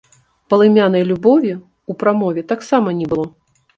Палымянай любові ў прамове таксама не было.